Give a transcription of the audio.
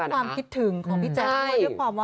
อาจจะด้วยความคิดถึงของพี่แจ๊กด้วยความว่า